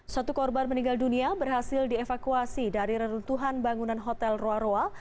satu korban meninggal dunia berhasil dievakuasi dari reruntuhan bangunan hotel roa roa